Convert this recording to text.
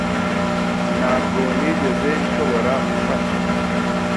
Ntabwo nigeze nshobora gufata .